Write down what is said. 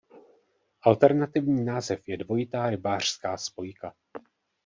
Alternativní název je dvojitá rybářská spojka.